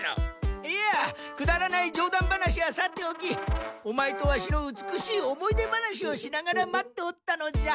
いやくだらないじょう談話はさておきオマエとワシの美しい思い出話をしながら待っておったのじゃ。